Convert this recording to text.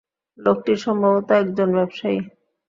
লোকটি সম্ভবত এক জন ব্যবসায়ী।